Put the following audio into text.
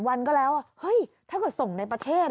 วันก็แล้วเฮ้ยถ้าเกิดส่งในประเทศ